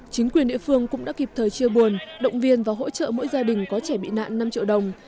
chính quyền địa phương cũng đã kịp thời chia buồn động viên và hỗ trợ mỗi gia đình có trẻ bị nạn năm triệu đồng